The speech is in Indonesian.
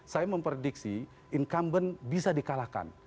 saya memprediksi incumbent bisa di kalahkan